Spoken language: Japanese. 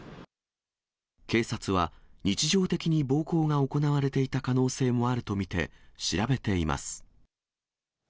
警察は、日常的に暴行が行われていた可能性もあると見て調べています。